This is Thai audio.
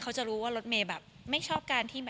เขาจะรู้ว่ารถเมย์แบบไม่ชอบการที่แบบ